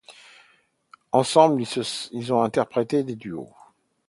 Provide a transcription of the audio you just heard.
Ensemble, ils ont interprété des duos.